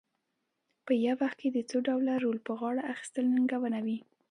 په یو وخت کې د څو ډوله رول په غاړه اخیستل ننګونه وي.